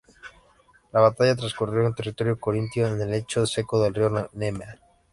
La batalla transcurrió en territorio corintio, en el lecho seco del río Nemea.